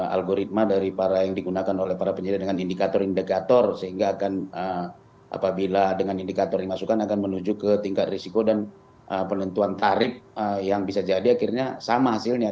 algoritma dari para yang digunakan oleh para penyedia dengan indikator indikator sehingga akan apabila dengan indikator dimasukkan akan menuju ke tingkat risiko dan penentuan tarif yang bisa jadi akhirnya sama hasilnya